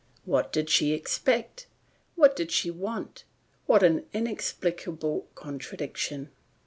What did she expect? What did she want? What an inexplicable contradiction?